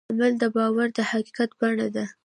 عمل د باور د حقیقت بڼه ده.